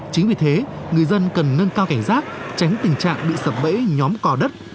chính vì thế người dân cần nâng cao cảnh giác tránh tình trạng bị sập bẫy nhóm cò đất